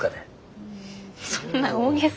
そんな大げさ。